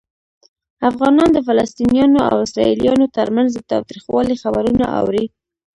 افغانان د فلسطینیانو او اسرائیلیانو ترمنځ د تاوتریخوالي خبرونه اوري.